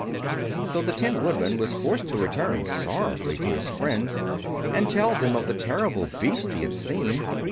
So the Tin Woodman was forced to return sorrowfully to his friends and tell them of the terrible Beast he had seen.